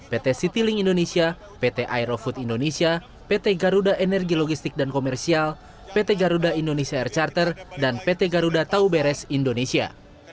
pt citylink indonesia pt aerofood indonesia pt garuda energi logistik dan komersial pt garuda indonesia air charter dan pt garuda tauberes indonesia